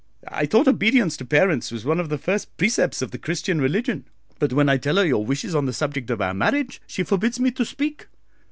I thought obedience to parents was one of the first precepts of the Christian religion; but when I tell her your wishes on the subject of our marriage, she forbids me to speak.